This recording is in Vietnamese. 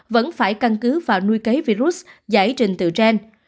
vẫn phải căn cứ vào nuôi cấy virus giải trình từ gen